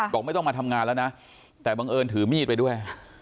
บอกไม่ต้องมาทำงานแล้วนะแต่บังเอิญถือมีดไปด้วย